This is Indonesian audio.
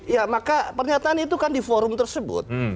ya maka pernyataan itu kan di forum tersebut